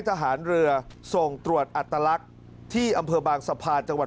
ทหารเรือส่งตรวจอัตลักษณ์ที่อำเภอบางสะพานจังหวัด